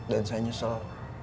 dan saya nyesel